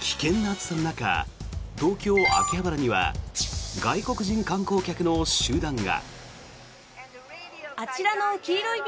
危険な暑さの中東京・秋葉原には外国人観光客の集団が。